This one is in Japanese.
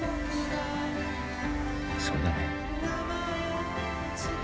そうだね。